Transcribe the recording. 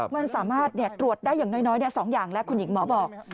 มันสามารถตรวจได้อย่างน้อย๒อย่างแล้วคุณหญิงหมอบอก